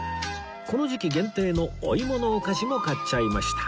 この時期限定のお芋のお菓子も買っちゃいました